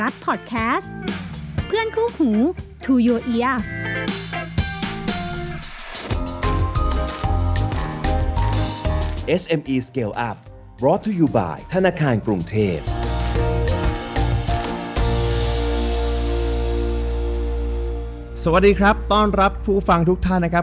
สวัสดีครับต้อนรับผู้ฟังทุกท่านนะครับ